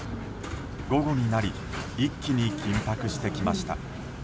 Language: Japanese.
午後になり一気に緊迫してきました。